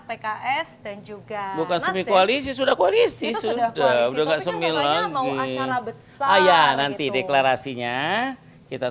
pks dan juga bukan semiku alis itu sudah komisi sudah enggak semisalnya nanti deklarasinya kita